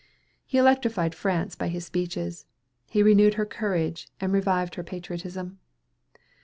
He electrified France by his speeches; he renewed her courage, and revived her patriotism.